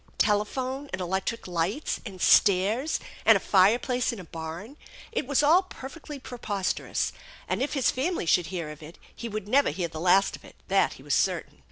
Telephone, and electric lights, and stairs, and a fireplace in a barn ! It was all perfectly preposterous; and, if his family should hear of it, he would never hear the last of it ; that he was certain.